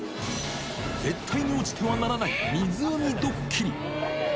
絶対に落ちてはならない湖ドッキリ。